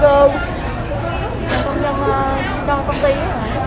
công nhân trong công ty á hả